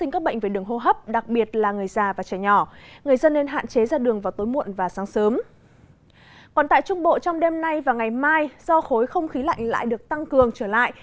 còn tại trung bộ trong đêm nay và ngày mai do khối không khí lạnh lại được tăng cường trở lại